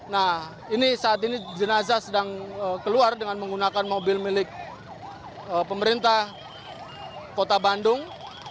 nah ini saat ini jenazah sedang keluar dengan menggunakan mobil milik pemerintah kota bandung